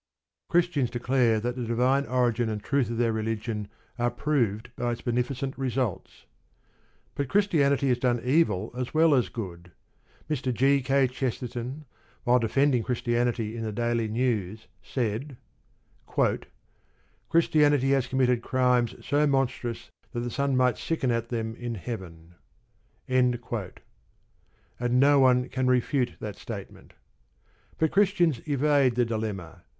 Christians declare that the divine origin and truth of their religion are proved by its beneficent results. But Christianity has done evil as well as good. Mr. G. K. Chesterton, while defending Christianity in the Daily News, said: Christianity has committed crimes so monstrous that the sun might sicken at them in heaven. And no one can refute that statement. But Christians evade the dilemma.